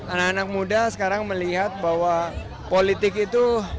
anak anak muda sekarang melihat bahwa politik itu